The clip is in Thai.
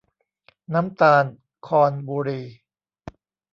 น้ำตาลครบุรี